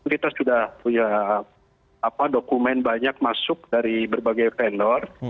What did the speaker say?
kita sudah punya dokumen banyak masuk dari berbagai vendor